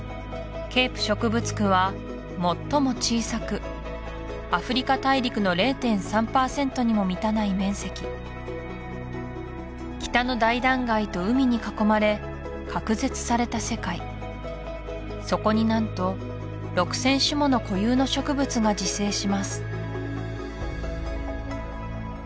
ケープ植物区は最も小さくアフリカ大陸の０．３パーセントにも満たない面積北の大断崖と海に囲まれ隔絶された世界そこに何と６０００種もの固有の植物が自生します